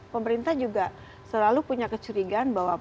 pemerintah juga selalu punya kecurigaan bahwa